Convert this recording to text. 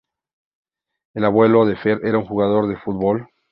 El abuelo de Fer era un jugador de fútbol.